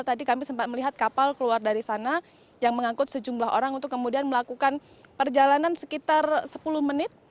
tadi kami sempat melihat kapal keluar dari sana yang mengangkut sejumlah orang untuk kemudian melakukan perjalanan sekitar sepuluh menit